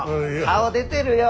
顔出てるよ。